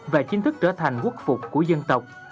và chính thức trở thành quốc phục của dân tộc